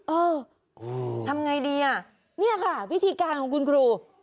เออทำไงดีอ่ะเนี่ยค่ะวิธีการของคุณครู